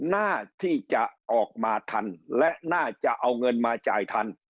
หน้าที่จะออกมาทันและน่าจะเอาเงินมาจ่ายทัน